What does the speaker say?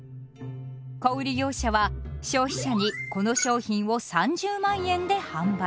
小売業者は消費者にこの商品を３００，００００円で販売。